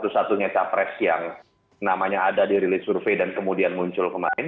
satu satunya capres yang namanya ada di rilis survei dan kemudian muncul kemarin